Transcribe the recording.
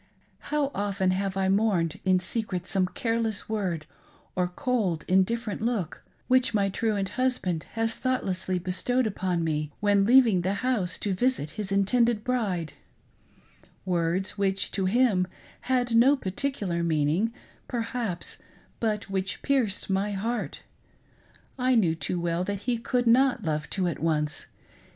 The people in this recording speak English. How often haye I mourned in secret some careless word, or cold, indifferent look which my truant husband has thoughtlessly bestowed upon me when leaving the house to visit his intended bride — words, which, to him, had no particular meaning, perhaps, but which pierced my heart :— I knew too well that he could not love two at once.